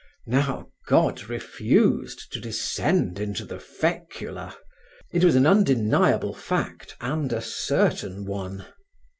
Now, God refused to descend into the fecula. It was an undeniable fact and a certain one.